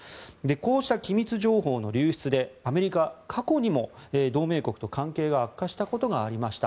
こうした機密情報の流出でアメリカ、過去にも同盟国と関係が悪化したことがありました。